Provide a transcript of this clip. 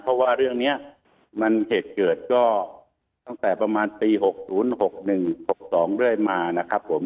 เพราะว่าเรื่องนี้มันเหตุเกิดก็ตั้งแต่ประมาณปี๖๐๖๑๖๒เรื่อยมานะครับผม